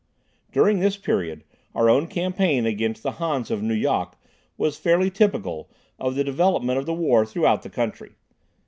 During this period our own campaign against the Hans of Nu Yok was fairly typical of the development of the war throughout the country.